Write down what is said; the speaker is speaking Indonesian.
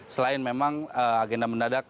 selain memang agenda mendadak